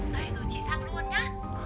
đấy rồi chị sang luôn nha